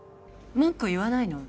文句言わないの？